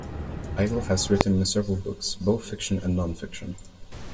Idle has written several books, both fiction and non-fiction.